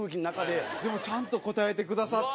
でもちゃんと答えてくださって。